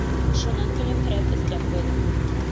Шунан көлөмһөрәп өҫтәп ҡуйҙы.